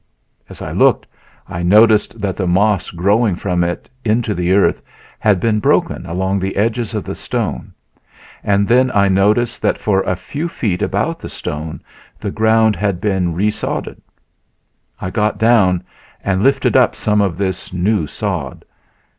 As I looked I noticed that the moss growing from it into the earth had been broken along the edges of the stone, and then I noticed that for a few feet about the stone the ground had been resodded. I got down and lifted up some of this new sod.